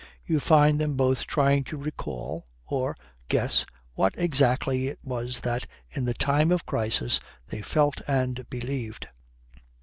You find them both trying to recall (or guess) what exactly it was that, in the time of crisis, they felt and believed.